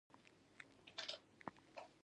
دا توپیرونه ښايي معکوس حرکت خپل کړي